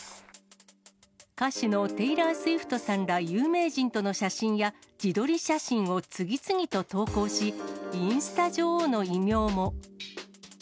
歌手のテイラー・スウィフトさんら、有名人との写真や自撮り写真を次々と投稿し、インスタ女王の異名も。